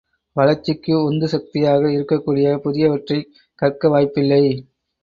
வளர்ச்சிக்கு உந்து சக்தியாக இருக்கக்கூடிய புதியவற்றைக் கற்க வாய்ப்பில்லை.